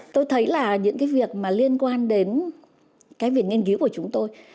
tôi thấy là những cái việc mà liên quan đến cái việc nghiên cứu của chúng tôi